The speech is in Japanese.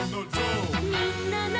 「みんなの」